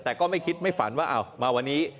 แต่ก็ไม่คิดไม่ฝันว่าอ้าวมาวันนี้